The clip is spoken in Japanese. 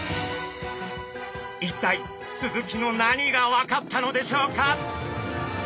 一体スズキの何が分かったのでしょうか？